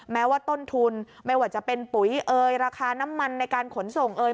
แม้ว่าต้นทุนไม่ว่าจะเป็นปุ๋ยเอ่ยราคาน้ำมันในการขนส่งเอ่ย